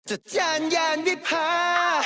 จัดจานยานวิพา